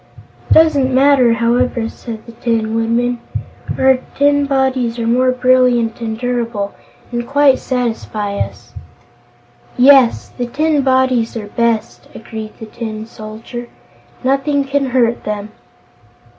"It doesn't matter, however," said the Tin Woodman; "our tin bodies are more brilliant and durable, and quite satisfy us." "Yes, the tin bodies are best," agreed the Tin Soldier. "Nothing can hurt them."